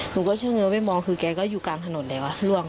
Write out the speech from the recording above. หนูก็เชื่อไปมองคือแกก็อยู่กลางถนนแล้วล่วง